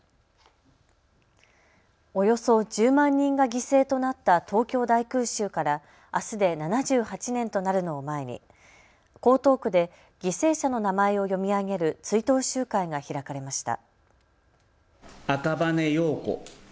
およそ１０万人が犠牲となった東京大空襲からあすで７８年となるのを前に江東区で犠牲者の名前を読み上げる追悼集会が開かれました。